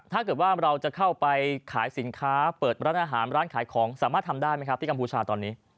ถ้าเกิดว่าเราจะเข้าไปขายสินค้าเปิดร้านอาหารร้านขายของสามารถทำได้ไหมครับที่กัมพูชาตอนนี้